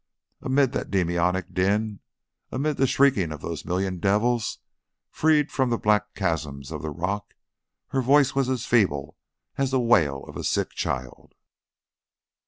Amid that demoniac din, amid the shrieking of those million devils, freed from the black chasms of the rock, her voice was as feeble as the wail of a sick child.